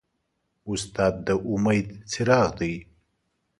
استاد د امید څراغ دی.